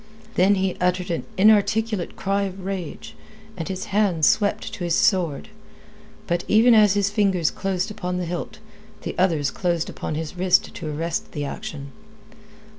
Then he uttered an inarticulate cry of rage, and his hand swept to his sword. But even as his fingers closed upon the hilt, the other's closed upon his wrist to arrest the action.